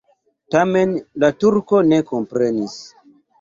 Tamen la turko ne komprenis.